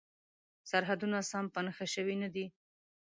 سرحدونه سم په نښه شوي نه دي.